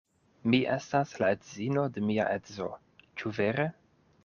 Mi estas la edzino de mia edzo; ĉu vere?